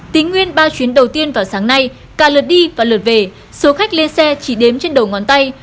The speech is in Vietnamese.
tính nguyên ba chuyến đầu tiên vào sáng nay cả lượt đi và lượt về số khách lên xe chỉ đếm trên đầu ngón tay